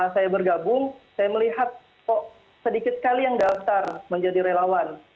saya bergabung saya melihat kok sedikit sekali yang daftar menjadi relawan